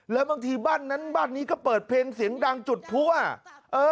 แล้วบางทีบ้านนั้นบ้านนี้ก็เปิดเพลงเสียงดังจุดพั่วเออ